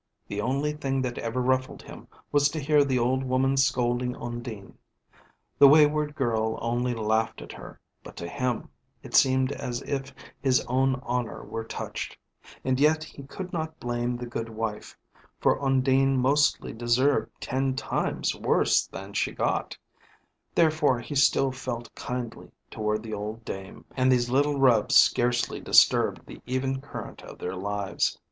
The only thing that ever ruffled him, was to hear the old woman scolding Undine. The wayward girl only laughed at her; but to him it seemed as if his own honour were touched; and yet he could not blame the good wife, for Undine mostly deserved ten times worse than she got, therefore he still felt kindly toward the old dame, and these little rubs scarcely disturbed the even current of their lives.